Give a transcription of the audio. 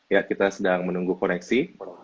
ya kita sedang menunggu koneksi